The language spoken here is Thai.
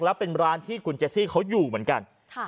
แล้วเป็นร้านที่คุณเจซี่เขาอยู่เหมือนกัน